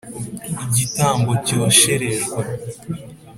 Igitambo cyosherejwe.